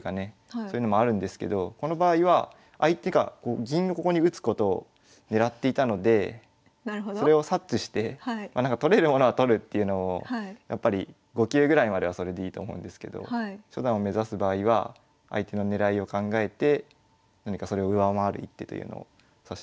そういうのもあるんですけどこの場合は相手が銀をここに打つことを狙っていたのでそれを察知して取れるものは取るっていうのもやっぱり５級ぐらいまではそれでいいと思うんですけど初段を目指す場合は相手の狙いを考えて何かそれを上回る一手というのを指してもらいたいなと思います。